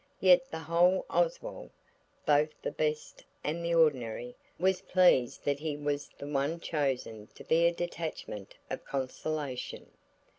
Yet the whole Oswald, both the best and the ordinary, was pleased that he was the one chosen to be a detachment of consolation.